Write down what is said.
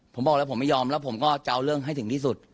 ผมบอกแล้วผมไม่ยอมแล้วผมก็จะเอาเรื่องให้ถึงที่สุด